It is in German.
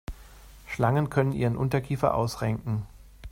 Schlangen können ihren Unterkiefer ausrenken.